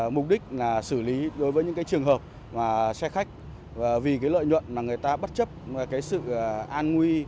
mục đích là xử lý đối với những cái trường hợp xe khách vì cái lợi nhuận mà người ta bất chấp cái sự an nguy